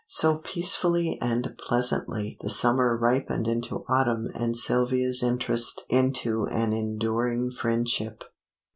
So peacefully and pleasantly the summer ripened into autumn and Sylvia's interest into an enduring friendship.